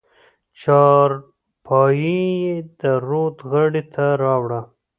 چارپايي يې د رود غاړې ته راوړه.